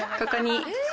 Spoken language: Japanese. ここに。